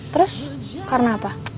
terus karena apa